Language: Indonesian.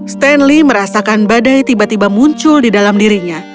stanley merasakan badai tiba tiba muncul di dalam dirinya